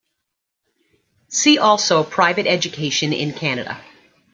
See also Private Education in Canada.